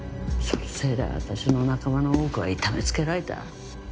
そのせいで私の仲間の多くは痛めつけられた。